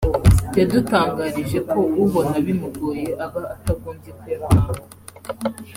yadutangarije ko ubona bimugoye aba atagombye kuyatanga